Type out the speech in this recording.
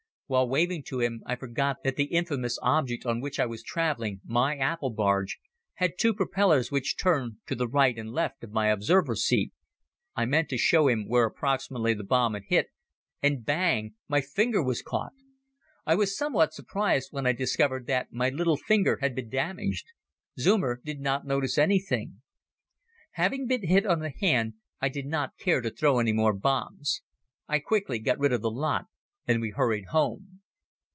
While waving to him I forgot that the infamous object on which I was traveling, my apple barge, had two propellers which turned to the right and left of my observer seat. I meant to show him where approximately the bomb had hit and bang! my finger was caught! I was somewhat surprised when I discovered that my little finger had been damaged. Zeumer did not notice anything. Having been hit on the hand I did not care to throw any more bombs. I quickly got rid of the lot and we hurried home.